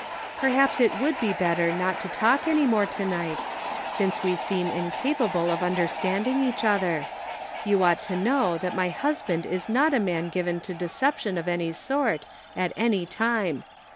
" Perhaps it would be better not to talk any more to night, since we seem incapable of un derstanding each other. You ought to know that my husband is not a man given to decep tion of any sort, at any time.